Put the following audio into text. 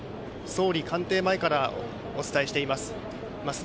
総理官邸前からお伝えしています。